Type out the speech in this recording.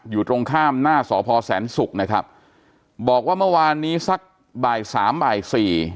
อยู่ตรงข้ามหน้าสพแสนศุกร์นะครับบอกว่าเมื่อวานนี้สักบ่ายสามบ่ายสี่